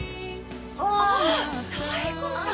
あっ妙子さん。